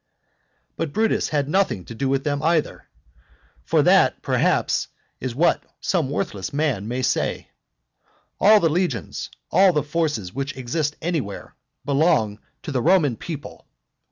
But Brutus had nothing to do with them either. For that, perhaps, is what some worthless man may say. All the legions, all the forces which exist anywhere, belong to the Roman people.